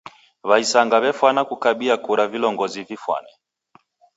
W'aisanga w'efwana kukabia kura vilongozi vifwane.